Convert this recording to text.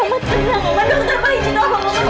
oma tenang oma